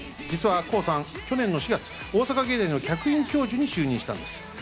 実はＫＯＯさん、去年の４月、大阪芸大の客員教授に就任したんです。